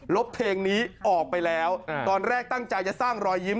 บเพลงนี้ออกไปแล้วตอนแรกตั้งใจจะสร้างรอยยิ้ม